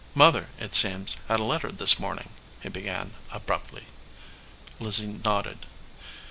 "Mother, it seems, had a letter this morning," he began, abruptly. Lizzie nodded.